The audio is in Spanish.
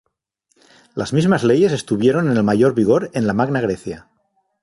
Las mismas leyes estuvieron en el mayor vigor en la Magna Grecia.